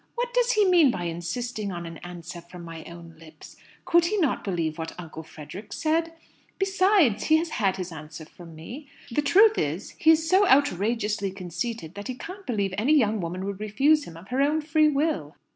"What does he mean by insisting on 'an answer from my own lips'? Could he not believe what Uncle Frederick said? Besides, he has had his answer from me. The truth is, he is so outrageously conceited that he can't believe any young woman would refuse him of her own free will."